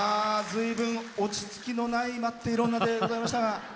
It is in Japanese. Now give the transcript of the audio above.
ずいぶん落ち着きのない「待っている女」でございました。